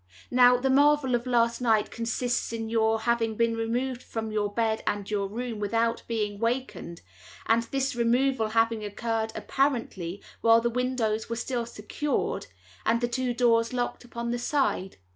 Now, the marvel of last night consists in your having been removed from your bed and your room, without being wakened, and this removal having occurred apparently while the windows were still secured, and the two doors locked upon the inside.